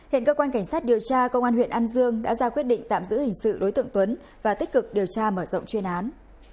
hiện cơ quan cảnh sát điều tra công an huyện an dương đã ra quyết định tạm giữ hình sự đối tượng tuấn và tích cực điều tra mở rộng chuyên án